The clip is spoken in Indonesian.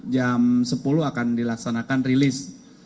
jam sepuluh akan dilaksanakan rilis